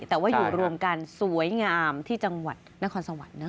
แต่ว่าอยู่รวมกันสวยงามที่จังหวัดนครสวรรค์นะ